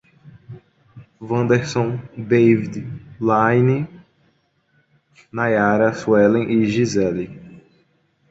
Vanderson, Devid, Laine, Naiara, Suelen e Giseli